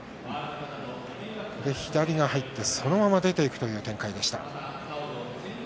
そして左が入ってそのまま出ていくという展開でした。